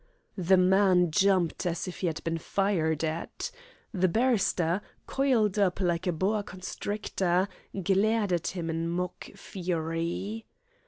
The man jumped as if he had been fired at. The barrister, coiled up like a boa constrictor, glared at him in mock fury.